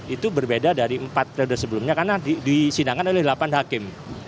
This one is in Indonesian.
itu berbeda dari empat periode sebelumnya karena disidangkan oleh delapan hakim